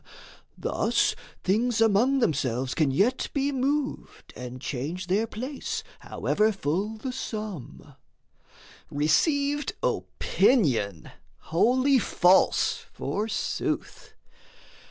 Thus things among themselves can yet be moved, And change their place, however full the Sum Received opinion, wholly false forsooth.